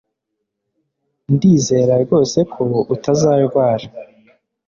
Ndizera rwose ko utazarwara